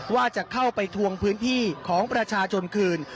ว่าจะเข้าไปทวงพื้นที่ของประชาชนคืน